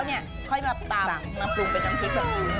แล้วนั่นเนี่ยช่วยมาตำมะปรุงเป็นน้ำพริกมากขึ้น